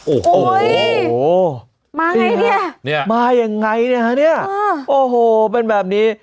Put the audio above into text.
โอ้โหมาไงเนี่ยเนี่ยมาอย่างไรนะฮะเนี่ยโอ้โหเป็นแบบนี้